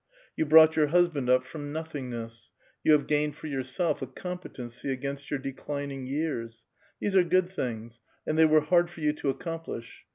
You brought your husband up from nothingness ; you have gained for yourself a competency against your declining years, — these are good things, and they were hard for you to accomplish.